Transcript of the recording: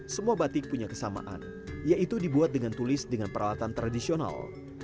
semua batik punya kesamaan yaitu dibuat dengan tulis dengan peralatan tradisional